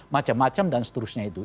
macam macam dan seterusnya itu